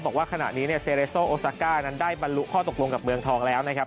บอกว่าขณะนี้เนี่ยเซเรโซโอซาก้านั้นได้บรรลุข้อตกลงกับเมืองทองแล้วนะครับ